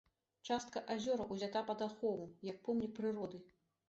Частка азёраў узята пад ахову як помнік прыроды.